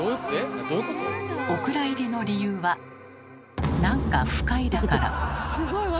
お蔵入りの理由は「なんか不快」だから。